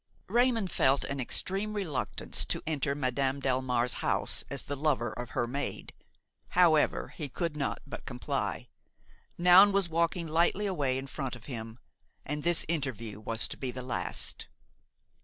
Raymon felt an extreme reluctance to enter Madame Delmare's house as the lover of her maid. However, he could not but comply; Noun was walking lightly away in front of him, and this interview was to be the last.